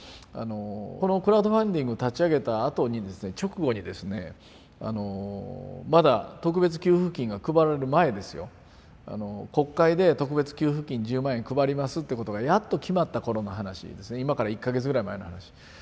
このクラウドファンディング立ち上げたあとにですね直後にですねまだ特別給付金が配られる前ですよ国会で特別給付金１０万円配りますってことがやっと決まった頃の話ですね今から１か月ぐらい前の話。